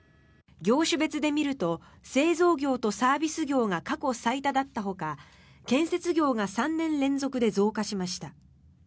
業種別で見ると製造業とサービス業が過去最多だったほか建設業が３年連続で増加しました。